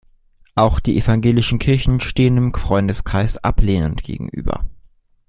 Auch die evangelischen Kirchen stehen dem Freundeskreis ablehnend gegenüber.